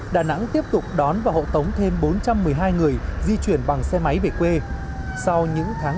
đà nẵng tiếp tục đón và hậu tống thêm bốn trăm một mươi hai người di chuyển bằng xe máy về quê sau những tháng